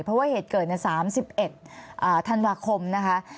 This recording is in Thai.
เพราะว่าเหตุเกิดใน๓๑ธันวาคมนะคะ